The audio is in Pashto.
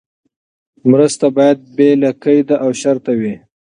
مرسته باید بې له قید او شرطه وي.